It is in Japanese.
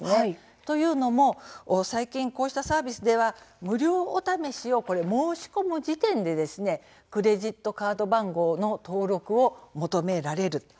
というのも最近こうしたサービスでは無料お試しを申し込む時点でクレジットカード番号の登録を求められます。